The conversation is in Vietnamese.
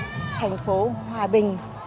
một thành phố hòa bình